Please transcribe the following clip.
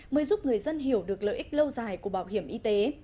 mới giúp người dân hiểu được lợi ích lâu dài của bảo hiểm y tế